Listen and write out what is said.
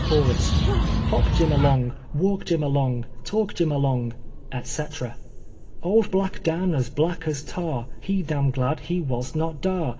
Chorus. Ib)p ,lini along, Walk Jim along, Talk Jim along," &:c. Old black Dan, as bhu k as tar, lie dam glad he was not dar.